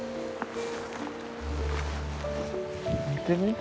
見てみて。